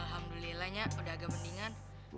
alhamdulillah nya udah agak mendingan